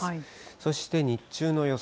そして日中の予想